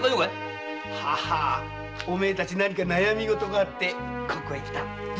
お前たち何か悩みがあってここへ来たな。